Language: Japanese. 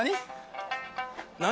何？